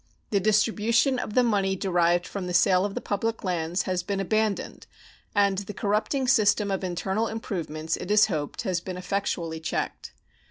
The distribution of the money derived from the sale of the public lands has been abandoned and the corrupting system of internal improvements, it is hoped, has been effectually checked.